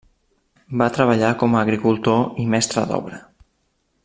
Va treballar com a agricultor i mestre d'obra.